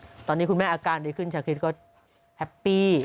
ตอนนี้คุณแม่อาการดีขึ้นชาคริสก็แฮปปี้